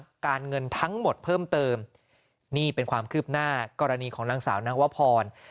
การเงินทั้งหมดเพิ่มเติมนี่เป็นความคืบหน้ากรณีของนางสาวนวพร